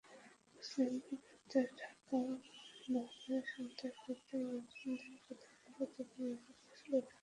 মুসলিমদের বিরুদ্ধে ঢাকাও ভাবে সন্ত্রাসবাদে মদদ দেওয়ার কথা বলে তোপের মুখে পড়েছিলেন ট্রাম্প।